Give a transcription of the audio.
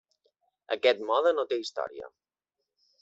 Aquest mode no té història.